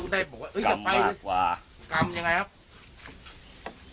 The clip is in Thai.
เดินไปเปิดหัว